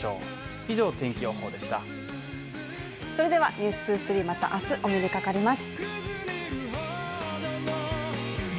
「ＮＥＷＳ２３」、また明日お目にかかります。